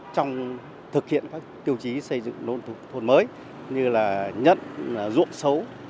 trong thực hiện các tiêu chí xây dựng nôn thuật mới như là nhận ruộng xấu